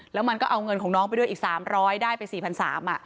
แล้วมันก็เอาเงินของน้องไปด้วยอีก๓๐๐ได้ไป๔๓๐๐บาท